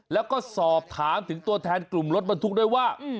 แล้วก็สอบถามถึงตัวแทนกลุ่มรถบรรทุกด้วยว่า